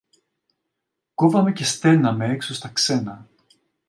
κόβαμε και στέλναμε έξω στα ξένα